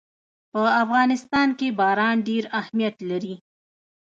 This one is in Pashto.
په افغانستان کې باران ډېر اهمیت لري.